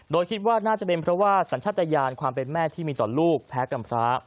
โดยคิดว่าน่าจะเป็นเพราะว่าสัญชาติยานความเป็นแม่ที่มีต่อลูกแพ้กำพร้า